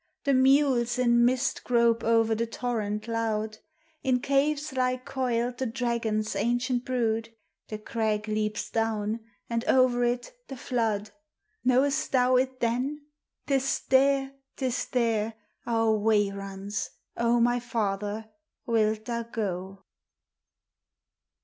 The mules in mist grope o'er the torrent loud, In caves lie coiled the dragon's ancient brood, The crag leaps down, and over it the flood : Know'st thou it then ? 'T is there ! T is there Our way runs : O my father, wilt thou go